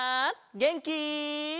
げんき？